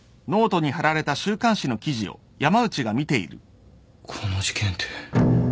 この事件って。